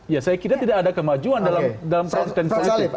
ya saya kira tidak ada kemajuan dalam profit and profit